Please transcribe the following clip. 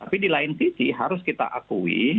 tapi di lain sisi harus kita akui